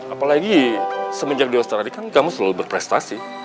apalagi semenjak di australia kan kamu selalu berprestasi